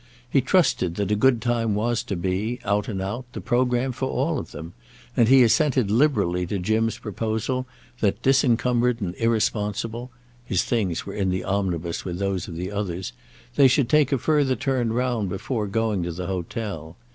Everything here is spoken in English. He trusted that a good time was to be, out and out, the programme for all of them; and he assented liberally to Jim's proposal that, disencumbered and irresponsible—his things were in the omnibus with those of the others—they should take a further turn round before going to the hotel.